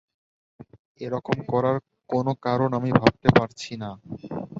এরকম করার কোনো কারণ আমি ভাবতে পারছি না।